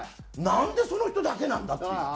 なんでその人だけなんだっていう。